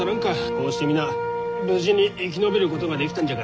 こうして皆無事に生き延びることができたんじゃからな。